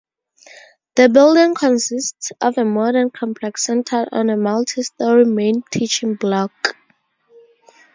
The building consists of a modern complex centred on a multi-storey main teaching block.